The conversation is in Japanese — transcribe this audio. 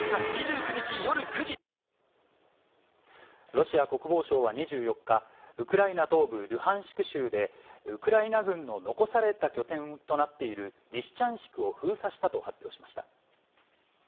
ロシア国防省は２４日、ウクライナ東部ルハンシク州で、ウクライナ軍の残された拠点となっているリシチャンシクを封鎖したと発表しました。